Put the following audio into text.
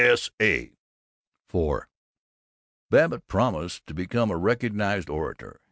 S.A.!'" IV Babbitt promised to become a recognized orator.